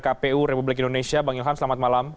kpu republik indonesia bang ilham selamat malam